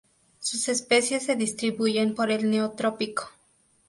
Sus especies se distribuyen por el Neotrópico.